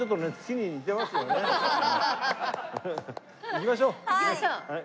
行きましょう。